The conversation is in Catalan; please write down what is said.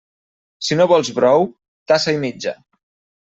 Si no vols brou, tassa i mitja.